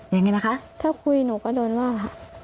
ยังไงนะคะถ้าคุยหนูก็โดนว่า